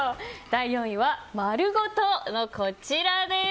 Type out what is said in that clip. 第４位は丸ごと！のこちらです。